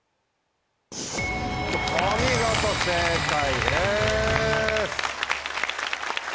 お見事正解です。